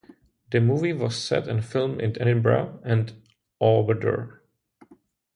The movie was set and filmed in Edinburgh and Aberdour.